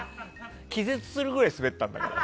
気絶するくらいスベったんだから。